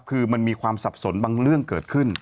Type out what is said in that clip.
คือมันมีความสับสนบางเรื่องเกิดขึ้น